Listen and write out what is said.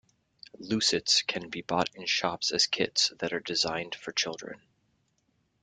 Lucets can be bought in shops as kits that are designed for children.